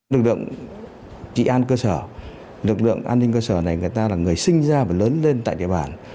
lực lượng trị an cơ sở lực lượng an ninh cơ sở này người ta là người sinh ra và lớn lên tại địa bàn